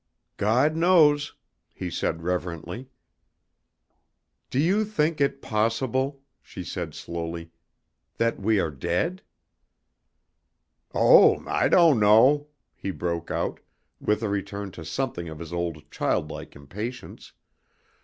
"God knows," he said reverently. "Do you think it possible," she said slowly, "that we are dead?" "Oh, I don't know!" he broke out, with a return to something of his old childlike impatience.